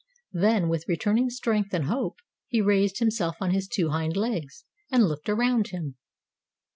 Then, with returning strength and hope, he raised himself on his two hind legs, and looked around him.